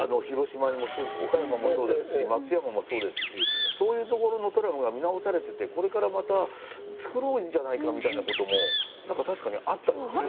広島にも岡山もそうですし松山もそうですしそういう所のトラムが見直されててこれからまた造ろうじゃないかみたいなことも確かにあったかも。